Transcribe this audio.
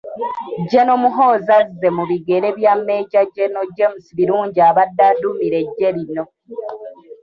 General Muhoozi azze mu bigere bya Meeja General James Birungi abadde aduumira eggye lino.